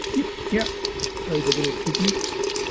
Yip yap!" cried the little chickie.